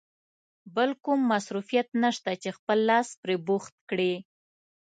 بل کوم مصروفیت نشته چې خپل لاس پرې بوخت کړې.